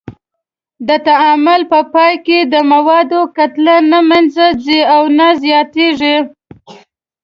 د تعامل په پایله کې د موادو کتله نه منځه ځي او نه زیاتیږي.